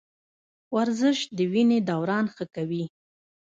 ورزش د وینې دوران ښه کوي.